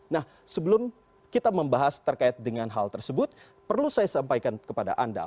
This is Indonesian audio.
nah sebelum kita membahas terkait dengan hal tersebut perlu saya sampaikan kepada anda